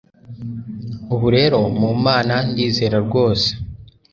ubu rero mu mana ndizera rwose